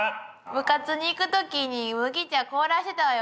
部活に行く時に麦茶凍らせたわよ